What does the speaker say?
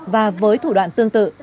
và với thủ đoạn tương tự